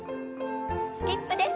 スキップです。